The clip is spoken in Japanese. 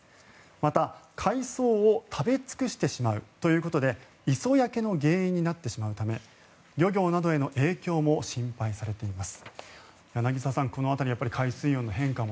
また、海藻を食べ尽くしてしまうということで磯焼けの原因になってしまうため漁業などへの影響も心配されています。